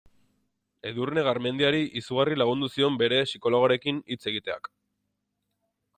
Edurne Garmendiari izugarri lagundu zion bere psikologoarekin hitz egiteak.